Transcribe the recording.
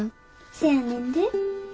せやねんで。